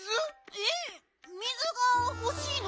えっ水がほしいの？